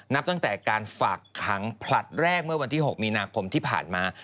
นับตั้งแต่การฝากขังผลัดแรกเมื่อวันที่๖มีนาคมที่ผ่านมา